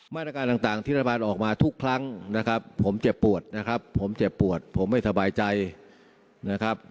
มาตรการต่างที่รัฐบาลออกมาทุกครั้งนะครับผมเจ็บปวดนะครับผมเจ็บปวดผมไม่สบายใจนะครับ